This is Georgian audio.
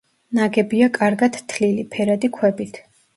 ნაგებია კარგად თლილი, ფერადი ქვებით.